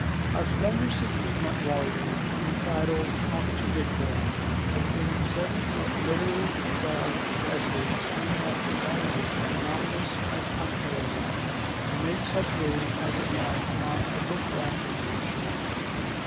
A slender 16mo volume entitled "Obiter Dicta", containing seven short literary and biographic essays, came out in that year, anonymous and unheralded, to make such way as it might among a book whelmed generation.